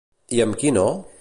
I amb qui no?